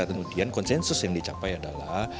kemudian konsensus yang dicapai adalah